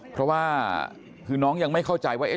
เพราะว่าคือน้องยังไม่เข้าใจว่า